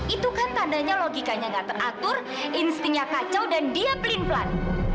itu kan tandanya logikanya nggak teratur instingnya kacau dan dia pelin pelan